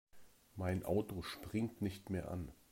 Mein Auto springt nicht mehr an.